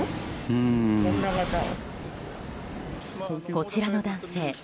こちらの男性